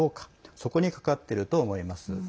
そこにかかっていると思います。